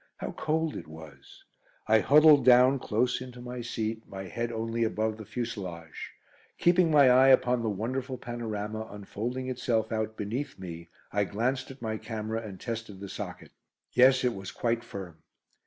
How cold it was. I huddled down close into my seat, my head only above the fuselage. Keeping my eye upon the wonderful panorama unfolding itself out beneath me, I glanced at my camera and tested the socket. Yes, it was quite firm.